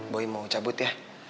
boy mau cabut ya